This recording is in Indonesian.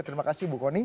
terima kasih ibu kony